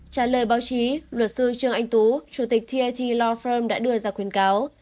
trả lời báo chí luật sư trương anh tú chủ tịch tat law firm đã đưa ra khuyến cáo